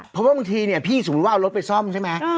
เพราะว่าบางทีเนี่ยพี่สมมุติว่าเอารถไปซ่อมใช่ไหม